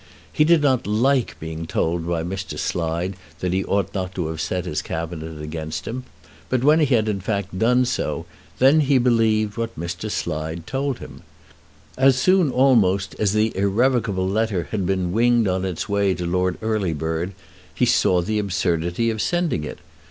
He did not like being told by Mr. Slide that he ought not to have set his Cabinet against him, but when he had in fact done so, then he believed what Mr. Slide told him. As soon almost as the irrevocable letter had been winged on its way to Lord Earlybird, he saw the absurdity of sending it.